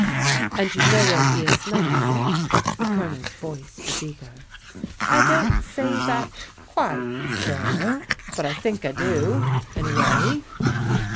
"And you know where he is now?" the Colonel's voice was eager. "I don't say that, quite, sir, but I think I do, in a way."